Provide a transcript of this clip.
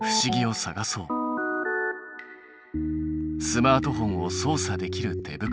スマートフォンを操作できる手袋。